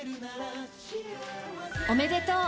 おめでとう。